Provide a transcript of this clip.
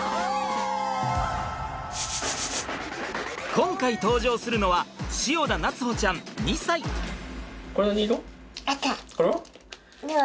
今回登場するのはこれは？